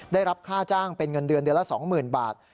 ได้รับค่าจ้างเป็นเงินเดือนเดือนละ๒๐๐๐บาท